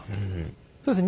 そうですね。